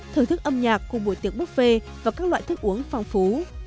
thưởng thức âm nhạc cùng buổi tiệc buffet và các loại thức uống phong phú